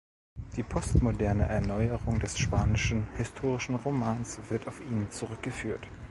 Die postmoderne Erneuerung des spanischen historischen Romans wird auf ihn zurückgeführt.